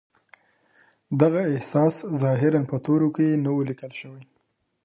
دغه احساس ظاهراً په تورو کې نه و ليکل شوی.